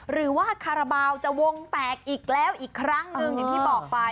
หรือว่าคาราบาลจะวงแตกอีกแล้วอีกครั้งหนึ่งอย่างที่บอกไป